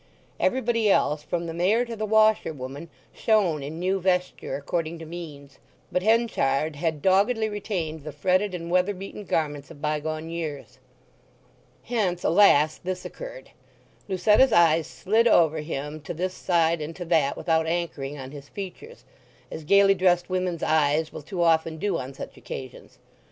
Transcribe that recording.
Everybody else, from the Mayor to the washerwoman, shone in new vesture according to means; but Henchard had doggedly retained the fretted and weather beaten garments of bygone years. Hence, alas, this occurred: Lucetta's eyes slid over him to this side and to that without anchoring on his features—as gaily dressed women's eyes will too often do on such occasions.